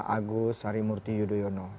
agus harimurti yudhoyono